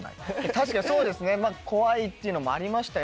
確かにそうですねまぁ怖いっていうのもありましたよ。